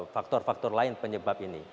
faktor faktor lain penyebab ini